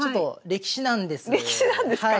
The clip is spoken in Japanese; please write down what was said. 歴史なんですか？